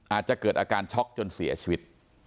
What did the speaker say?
อาจจะเกิดอาการช็อกจนเสียชีวิต